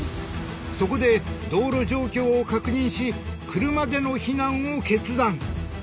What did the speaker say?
そこで道路状況を確認し車での避難を決断。